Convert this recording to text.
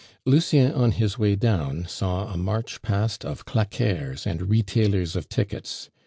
Lucien on his way down saw a march past of claqueurs and retailers of tickets.